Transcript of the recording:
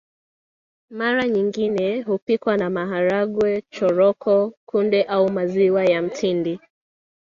Mara nyingine hupikwa na maharage choroko kunde au hata maziwa ya mtindi